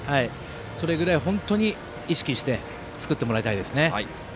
それぐらい本当に意識して作ってもらいたいですね。